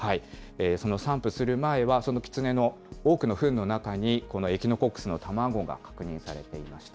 その散布する前は、そのキツネの多くのふんの中に、このエキノコックスの卵が確認されていました。